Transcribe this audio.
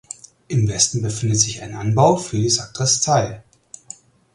Im Westen befindet sich ein Anbau für die Sakristei.